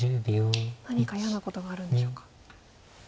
何か嫌なことがあるんでしょうか。